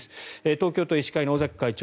東京都医師会の尾崎会長